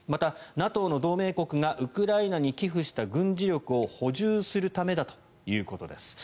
またＮＡＴＯの同盟国がウクライナに寄付した軍事力を補充するためだということです。